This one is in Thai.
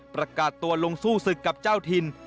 ประกาศตัวลงสู้ศึกกับเจ้าถิ่น